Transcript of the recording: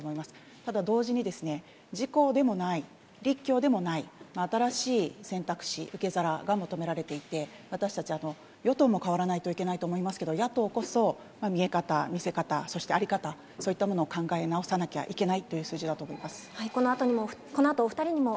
ただ同時にですね、自公でもない、立共でもない、新しい選択肢、受け皿が求められていて、私たち、与党も変わらないといけないと思いますけど、野党こそ、見え方、見せ方、そして在り方、そういったものを考え直さなきゃいけない